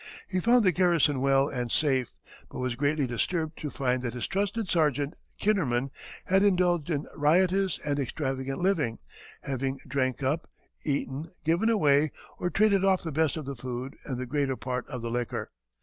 He found the garrison well and safe, but was greatly disturbed to find that his trusted sergeant, Kennerman, had indulged in riotous and extravagant living, having drank up, eaten, given away, or traded off the best of the food and the greater part of the liquor.